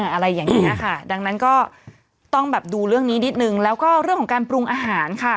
อะไรอย่างนี้ค่ะดังนั้นก็ต้องแบบดูเรื่องนี้นิดนึงแล้วก็เรื่องของการปรุงอาหารค่ะ